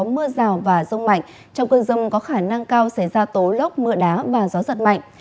mưa rào và rông mạnh trong cơn rông có khả năng cao xảy ra tố lốc mưa đá và gió giật mạnh